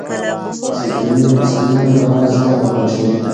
سکرینونه به سم وکارول شي.